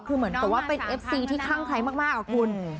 คือเหมือนเป็นเอฟซีที่คั่งใคร้มากกับคุณ